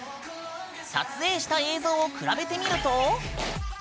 撮影した映像を比べてみると。